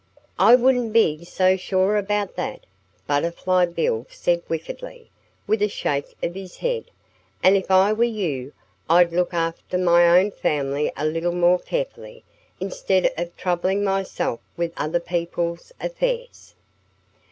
"I wouldn't be so sure about that," Butterfly Bill said wickedly, with a shake of his head. "And if I were you I'd look after my own family a little more carefully, instead of troubling myself with other people's affairs."